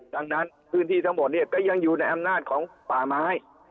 ดังนั้นพื้นที่ทั้งหมดเนี่ยก็ยังอยู่ในอำนาจของป่าไม้